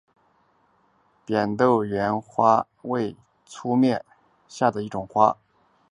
扁豆缘花介为粗面介科缘花介属下的一个种。